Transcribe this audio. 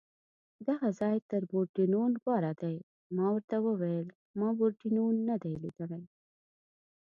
دغه ځای تر پورډېنون غوره دی، ما ورته وویل: ما پورډېنون نه دی لیدلی.